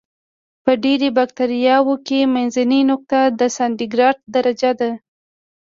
په ډېری بکټریاوو کې منځنۍ نقطه د سانتي ګراد درجه ده.